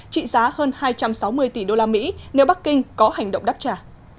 trị giá hơn hai trăm sáu mươi tỷ đô la mỹ nếu bắc kinh có hành động đáp trả